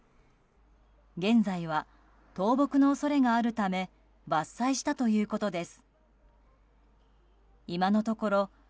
現在は倒木の恐れがあるため伐採したということです。